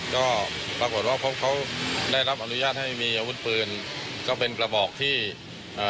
ก็ปรากฏว่าพบเขาได้รับอนุญาตให้มีอาวุธปืนก็เป็นกระบอกที่เอ่อ